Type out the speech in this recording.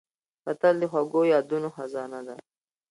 کتل د خوږو یادونو خزانه ده